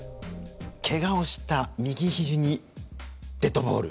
けがをした右ひじにデッドボール。